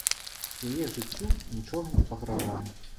Яе жыццю нічога не пагражае.